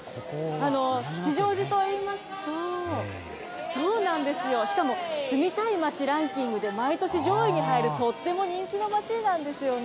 吉祥寺といいますと、しかも住みたい街ランキングで毎年上位に入るとっても人気の街なんですよね。